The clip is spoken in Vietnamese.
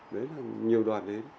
đấy là nhiều đoàn đến